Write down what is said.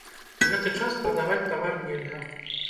Гэты час прадаваць тавар нельга.